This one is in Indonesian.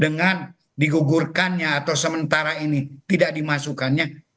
dengan digugurkannya atau sementara ini tidak dimasukkannya